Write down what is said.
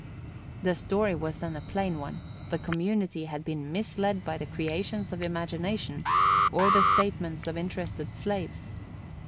The story was then a plain one; the community had been misled by the creations of imagination, or the statements of interested slaves.